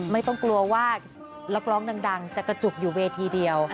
ไม่ต้องกลัวว่านักร้องดังจะกระจุกอยู่เวทีเดียว